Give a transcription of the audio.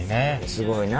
すごいな。